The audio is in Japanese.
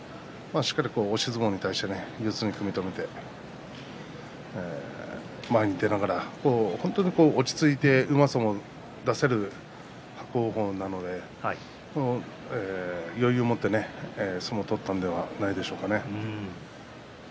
そうですねしっかり押し相撲に対して組み止めて前に出ながら本当に落ち着いてうまさも生かせる伯桜鵬なので余裕を持って相撲を取ったんじゃないでしょうかね。